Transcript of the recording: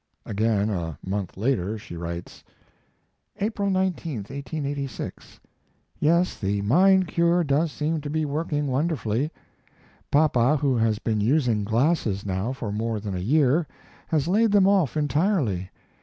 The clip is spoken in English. Again, a month later, she writes: April 19, 1886. Yes, the "mind cure" does seem to be working wonderfully. Papa, who has been using glasses now for more than a year, has laid them off entirely.